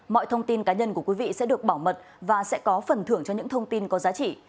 mọi thông tin cá nhân của quý vị sẽ được bảo mật và sẽ có phần thưởng cho những thông tin có giá trị